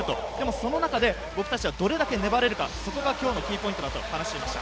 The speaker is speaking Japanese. その中で僕たちはどれだけ粘れるか、それが今日のキーポイントだと話していました。